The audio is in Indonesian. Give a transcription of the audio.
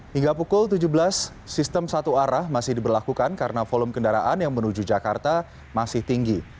hingga pukul tujuh belas sistem satu arah masih diberlakukan karena volume kendaraan yang menuju jakarta masih tinggi